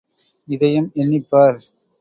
இதையும் எண்ணிப் பார்.